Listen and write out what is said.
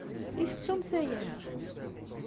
I tettumt aya?